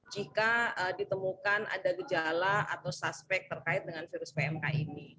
jika ditemukan ada gejala atau suspek terkait dengan virus pmk ini